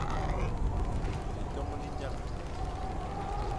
Litoñ li nyaga.